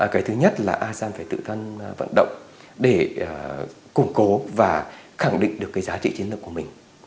cái thứ nhất là asean phải tự thân vận động để củng cố và khẳng định được cái giá trị chiến lược của mình